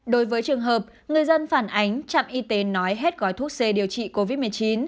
đối với trường hợp người dân phản ánh trạm y tế nói hết gói thuốc c điều trị covid một mươi chín